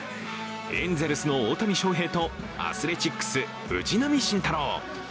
エンゼルスの大谷翔平とアスレチックス藤浪晋太郎。